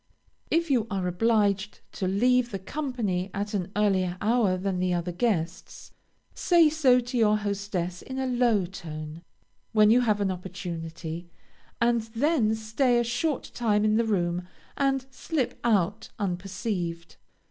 If you are obliged to leave the company at an earlier hour than the other guests, say so to your hostess in a low tone, when you have an opportunity, and then stay a short time in the room, and slip out unperceived.